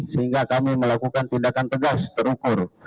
sehingga kami melakukan tindakan tegas terukur